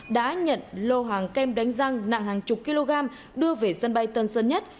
đã nhận lô hàng kem đánh răng nặng hàng chục kg đưa về sân bay tân sơn nhất